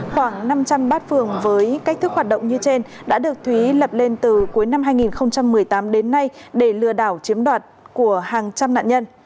khoảng năm trăm linh bát phường với cách thức hoạt động như trên đã được thúy lập lên từ cuối năm hai nghìn một mươi tám đến nay để lừa đảo chiếm đoạt của hàng trăm nạn nhân